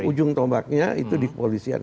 ujung tombaknya itu dikepolisian